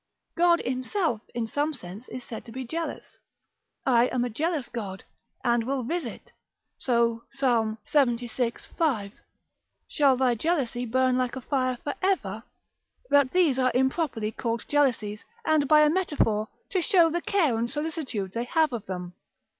God himself, in some sense, is said to be jealous, I am a jealous God, and will visit: so Psalm lxxix. 5. Shall thy jealousy burn like fire for ever? But these are improperly called jealousies, and by a metaphor, to show the care and solicitude they have of them.